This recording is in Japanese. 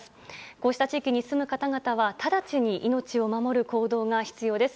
こうした地域に住む方々は直ちに命を守る行動が必要です。